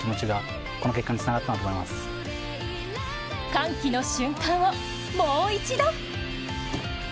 歓喜の瞬間をもう一度。